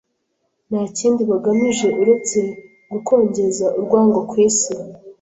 nta kindi bagamije uretse gukongeza urwango ku isi